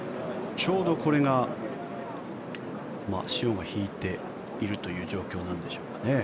ちょうどこれが潮が引いているという状況なんでしょうかね。